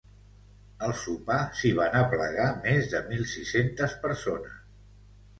Al sopar s’hi van aplegar més de mil sis-centes persones.